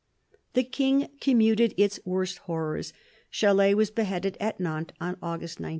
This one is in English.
The King commuted its worst horrors. Chalais was beheaded at Nantes on August 19.